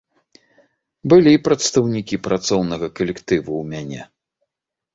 Былі прадстаўнікі працоўнага калектыву ў мяне.